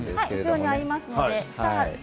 後ろにあります。